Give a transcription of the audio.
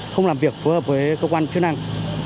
không làm việc phối hợp với cơ quan chức năng